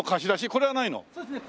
これはないの？